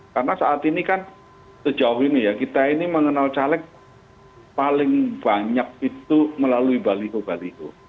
karena saat ini kan sejauh ini ya kita ini mengenal caleg paling banyak itu melalui baliho baliho